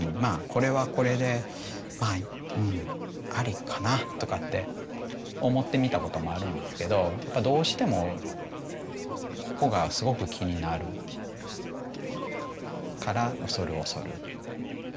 「これはこれでうんありかな」とかって思ってみたこともあるんですけどやっぱどうしてもここがすごく気になるから恐る恐る。